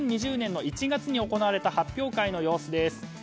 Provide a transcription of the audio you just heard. ２０２０年の１月に行われた発表会の様子です。